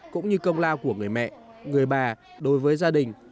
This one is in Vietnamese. cũng như công lao của người mẹ người bà đối với gia đình